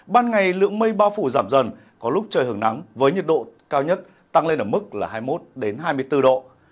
ban ngày lượng mây bao phủ giảm dần có lúc trời hưởng nắng với nhiệt độ cao nhất tăng lên ở mức là hai mươi một hai mươi bốn độ